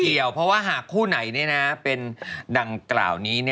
เพราะว่าหากคู่ไหนเป็นดังกล่าวนี้